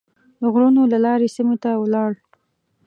د غرونو له لارې سیمې ته ولاړ.